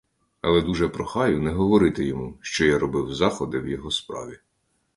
Але дуже прохаю не говорити йому, що я робив заходи в його справі.